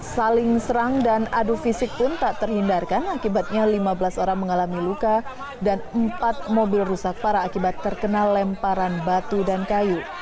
saling serang dan adu fisik pun tak terhindarkan akibatnya lima belas orang mengalami luka dan empat mobil rusak parah akibat terkena lemparan batu dan kayu